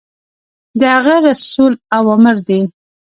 د هغه رسول اوامر دي.